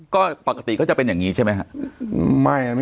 ก็ปกติก็จะเป็นอย่างนี้ใช่ไหมครับ